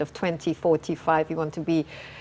anda ingin menjadi